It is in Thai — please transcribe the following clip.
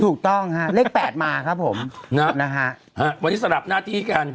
ถูกต้องฮะเลขแปดมาครับผมนะฮะวันนี้สลับหน้าที่กัน